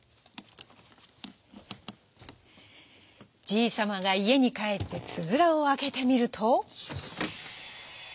じいさまがいえにかえってつづらをあけてみると。